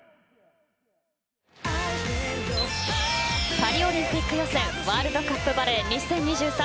パリオリンピック予選ワールドカップバレー２０２３